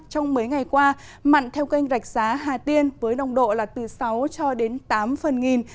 trong mấy ngày qua mặn theo kênh rạch giá hà tiên với nồng độ là từ sáu cho đến tám phần nghìn